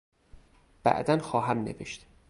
بعدا خواهم نوشت.